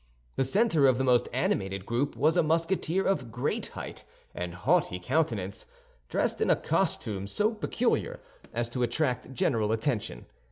The center of the most animated group was a Musketeer of great height and haughty countenance, dressed in a costume so peculiar as to attract general attention.